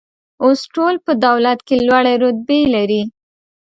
اوس ټول په دولت کې لوړې رتبې لري